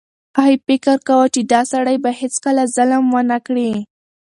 هغې فکر کاوه چې دا سړی به هیڅکله ظلم ونه کړي.